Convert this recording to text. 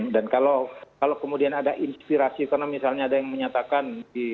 dan kalau kemudian ada inspirasi karena misalnya ada yang menyatakan